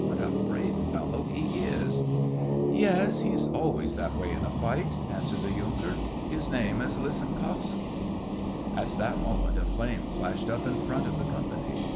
" What a brave fellow he is !"" Yes, he's always that way in a fight ..." answered the yunker. *' His name is Lisin kovsky." At that moment, a flame flashed up in front of the company.